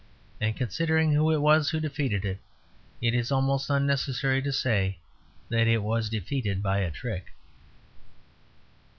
And considering who it was who defeated it, it is almost unnecessary to say that it was defeated by a trick.